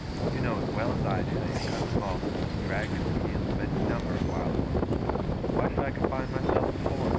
You know as well as I do that your cousin Maldon would be dragged at the heels of any number of wild horses why should I confine myself to four!